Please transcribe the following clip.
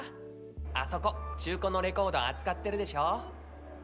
あそこ中古のレコード扱ってるでしょ。